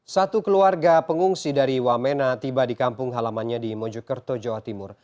satu keluarga pengungsi dari wamena tiba di kampung halamannya di mojokerto jawa timur